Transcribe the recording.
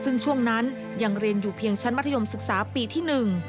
ซึ่งช่วงนั้นยังเรียนอยู่เพียงชั้นมัธยมศึกษาปีที่หนึ่ง